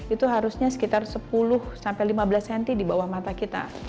itu harusnya sekitar sepuluh sampai lima belas cm di bawah mata kita